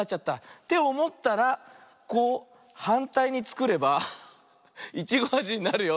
っておもったらこうはんたいにつくればイチゴあじになるよ。